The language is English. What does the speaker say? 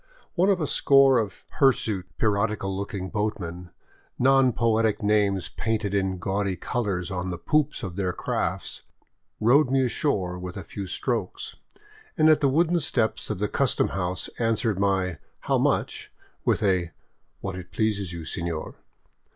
One of a score of hirsute, pirati cal looking boatmen, neo poetic names painted in gaudy colors on the poops of their crafts, rowed me ashore with a few strokes, and at the wooden steps of the custom house answered my " How much ?" with a " What it pleases you, senor."